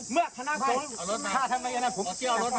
เมื่อพนักศูนย์ถ้าทำไมอย่างนั้นผมจะเอารถมา